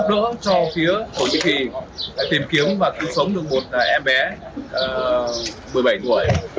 tinh thần lên cao bởi vì đã có những cái hỗ trợ giúp đỡ cho phía thổ nhĩ kỳ tìm kiếm và cứu sống được một em bé một mươi bảy tuổi